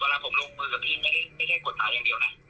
เวลาผมลงมือกับพี่ไม่ใช่กฎหมายอย่างเดียวนะ